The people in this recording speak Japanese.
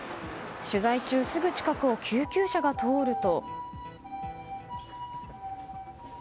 取材中すぐ近くを救急車が通ると。